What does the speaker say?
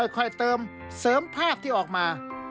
ค่อยเติมเสริมภาพที่ออกมา